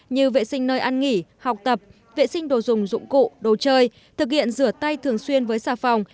như vệ sinh nơi ăn nghỉ học tập vệ sinh đồ dùng dụng cụ đồ chơi thực hiện rửa tay thường xuyên với xà phòng